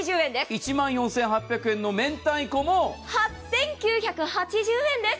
１万４８００円の明太子も８９８０円です。